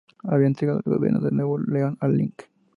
Había entregado el gobierno de Nuevo León al Lic.